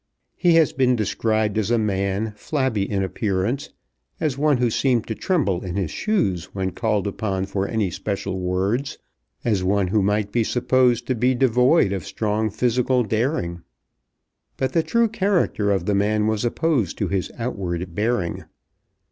He has been described as a man flabby in appearance, as one who seemed to tremble in his shoes when called upon for any special words, as one who might be supposed to be devoid of strong physical daring. But the true character of the man was opposed to his outward bearing.